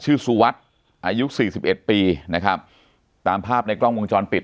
สุวัสดิ์อายุสี่สิบเอ็ดปีนะครับตามภาพในกล้องวงจรปิด